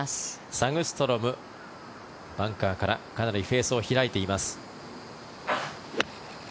サグストロムバンカーからかなりフェースを開いています。